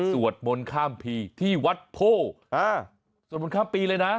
สวดมนต์ข้ามพีที่วัดโพร